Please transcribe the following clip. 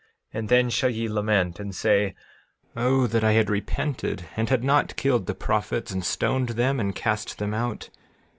And then shall ye lament, and say: 13:33 O that I had repented, and had not killed the prophets, and stoned them, and cast them out.